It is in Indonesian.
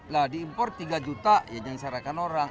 nah diimpor tiga juta ya yang disarankan orang